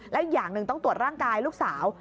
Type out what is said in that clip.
และอีกอย่างหนึ่งต้องตรวจร่างกายลูกสาว